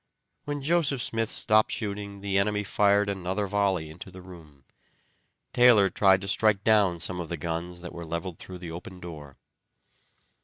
When Joseph Smith stopped shooting the enemy fired another volley into the room. Taylor tried to strike down some of the guns that were leveled through the broken door.